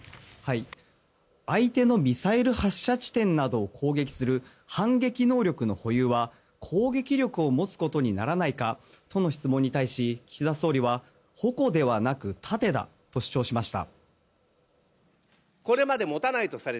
相手のミサイル発射地点などを攻撃する反撃能力の保有は攻撃力を持つことにならないかとの質問に対し、岸田総理は矛ではなく盾だと主張しました。